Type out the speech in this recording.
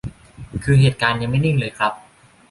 คือ เหตุการณ์ยังไม่นิ่งเลยครับ